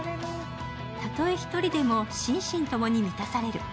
たとえ１人でも、心身ともに満たされる。